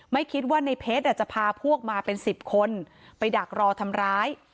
ไม่คิดว่าในเพชรจะพาพวกมาเป็น๑๐คนไปดักรอทำร้าย